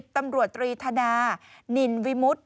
ตำรวจตรีธนานินวิมุติ